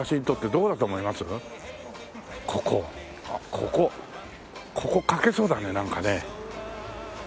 あっここここ描けそうだねなんかね。